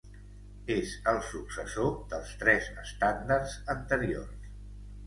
És el successor dels tres estàndards anteriors.